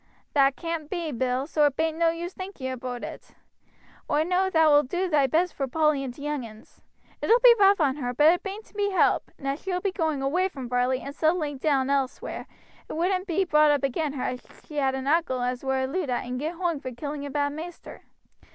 "That caan't be, Bill, so it bain't no use thinking aboot it. Oi know thou wilt do thy best vor Polly and t' young uns. It 'ull be rough on her, but it bain't to be helped; and as she will be going away from Varley and settling elsewhere, it wouldn't be brought up again her as she had an uncle as were a Luddite and got hoong for killing a bad maister.